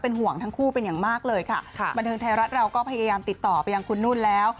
ห่วงทั้งคู่เป็นอย่างมากเลยค่ะบันเทิงไทยรัฐเราก็พยายามติดต่อไปยังคุณนุ่นแล้ว